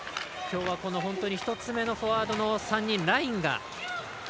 今日は本当に１つ目のフォワードの３人ラインが。